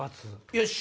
よし！